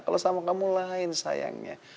kalau sama kamu lain sayangnya